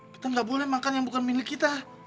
kita nggak boleh makan yang bukan milik kita